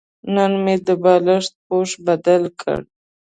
نن مې د بالښت پوښ بدل کړ.